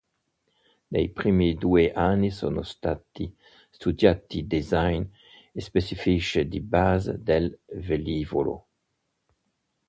Nei primi due anni sono stati studiati design e specifiche di base del velivolo.